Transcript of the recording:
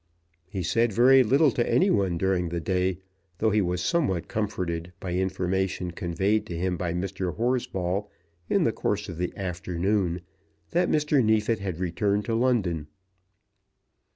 He said very little to any one during the day, though he was somewhat comforted by information conveyed to him by Mr. Horsball in the course of the afternoon that Mr. Neefit had returned to London.